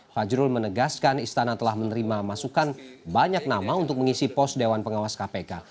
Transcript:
fajrul menegaskan istana telah menerima masukan banyak nama untuk mengisi pos dewan pengawas kpk